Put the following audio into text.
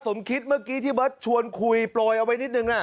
สมคิดเมื่อกี้ที่เบิร์ตชวนคุยโปรยเอาไว้นิดนึงนะ